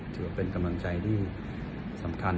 จะเป็นกำลังใจที่สำคัญ